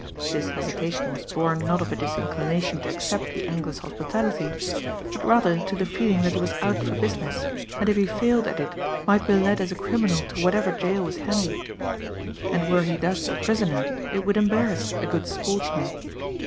This hesitation was born not of a disinclination to accept the angler's hospitality but rather to the feeling that he was out for business and if he failed at it might be led as a criminal to whatever jail was handy. And were he thus a prisoner it would embarrass a good sportsman.